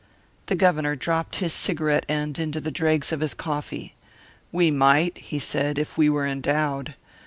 The Governor dropped his cigarette end into the dregs of his coffee. "We might," he said, "if we were endowed.